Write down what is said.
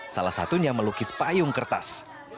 salah satunya melukis payung kertas